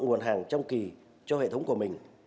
nguồn hàng trong kỳ cho hệ thống của mình